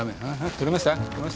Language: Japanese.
撮れました？